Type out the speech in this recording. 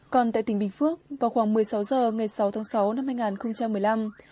còn tại tỉnh bình phước vào khoảng một mươi sáu h ngày sáu tháng sáu năm hai nghìn một mươi năm